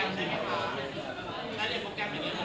ได้ไงได้จงจริงค่ะ